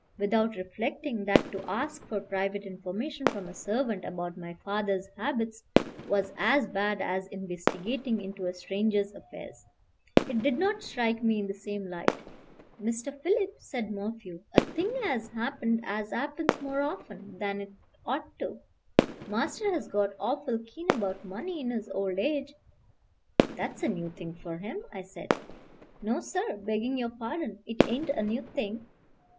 without reflecting that to ask for private information from a servant about my father's habits was as bad as investigating into a stranger's affairs. It did not strike me in the same light. "Mr. Philip," said Morphew, "a thing 'as 'appened as 'appens more often than it ought to. Master has got awful keen about money in his old age." "That's a new thing for him," I said. "No, sir, begging your pardon, it ain't a new thing.